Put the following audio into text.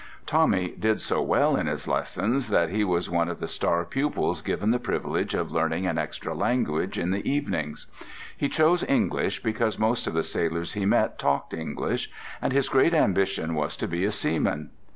Tommy did so well in his lessons that he was one of the star pupils given the privilege of learning an extra language in the evenings. He chose English because most of the sailors he met talked English, and his great ambition was to be a seaman.